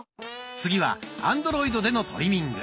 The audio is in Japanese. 次はアンドロイドでのトリミング。